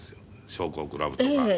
将校クラブとか。